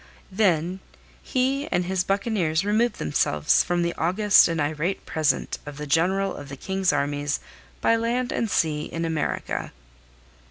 Then he and his buccaneers removed themselves from the August and irate presence of the General of the King's Armies by Land and Sea in America.